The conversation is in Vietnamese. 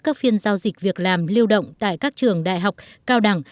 các phiên giao dịch việc làm lưu động tại các trường đại học cao đẳng